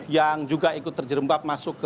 yang juga ikut terjerembab masuk ke